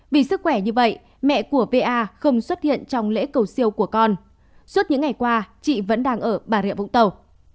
vì sức khỏe như vậy mẹ của pa không xuất hiện trong lễ cầu siêu của con suốt những ngày qua chị vẫn đang ở bà rịa vũng tàu